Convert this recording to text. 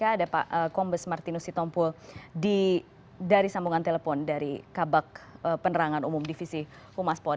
ada pak kombes martinus sitompul dari sambungan telepon dari kabak penerangan umum divisi humas pon